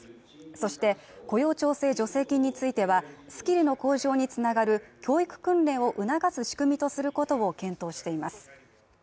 そして、雇用調整助成金については、スキルの向上に繋がる教育訓練を促す仕組みとすることを検討しています。